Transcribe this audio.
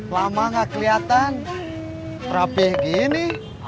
lama gak kelihatan rapih gini